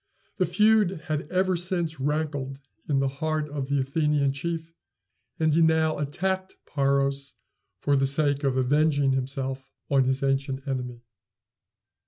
The feud had ever since rankled in the heart of the Athenian chief, and he now attacked Paros for the sake of avenging himself on his ancient enemy.